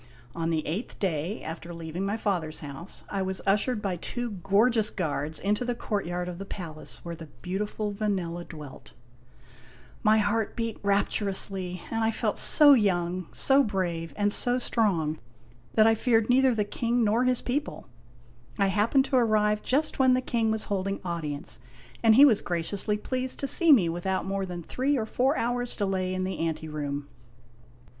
On the eighth day after leaving my father's house, I was ushered by two gorgeous guards into the courtyard of the palace where the beautiful Vanella dwelt. My heart beat rapturously, and I felt so Il6 IMAGINOTIONS young, so brave, and so strong that I feared neither the King nor his people. I happened to arrive just when the King was holding audience, and he was graciously pleased to see me without more than three or four hours' delay in the anteroom.